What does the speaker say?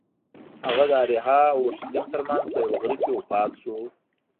هغه د اریحا او اورشلیم ترمنځ په یوه غره کې وفات شو.